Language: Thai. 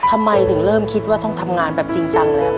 ทำไมถึงเริ่มคิดว่าต้องทำงานแบบจริงจังแล้ว